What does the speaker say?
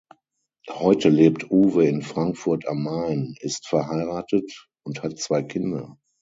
Heute lebt Uwe in Frankfurt am Main, ist verheiratet und hat zwei Kinder.